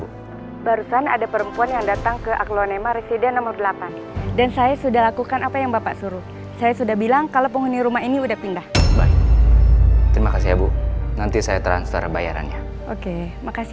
sampai jumpa lagi sampai jumpa lagi sampai jumpa lagi sampai jumpa lagi sampai jumpa lagi sampai jumpa lagi sampai jumpa lagi sampai jumpa lagi sampai jumpa lagi sampai jumpa lagi sampai jumpa lagi sampai jumpa lagi sampai jumpa lagi sampai jumpa lagi sampai jumpa lagi sampai jumpa lagi sampai jumpa lagi sampai jumpa lagi